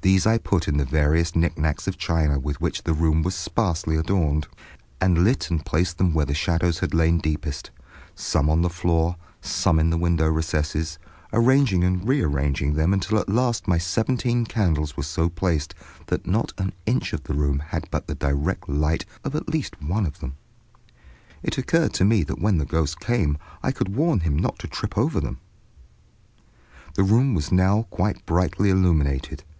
These I put in the various knick knacks of china with which the room was sparsely adorned, and lit and placed them where the shadows had lain deepest, some on the floor, some in the window recesses, arranging and rearranging them until at last my seventeen candles were so placed that not an inch of the room but had the direct light of at least one of them. It occurred to me that when the ghost came I could warn him not to trip over them. The room was now quite brightly illuminated.